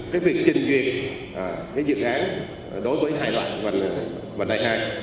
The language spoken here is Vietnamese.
cái việc trình duyệt cái dự án đối với hải loại vàng đại hai